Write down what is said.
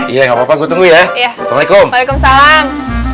iya nggak papa gue tunggu ya assalamualaikum waalaikumsalam